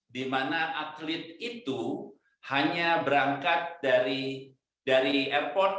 di mana atlet itu hanya berangkat dari airport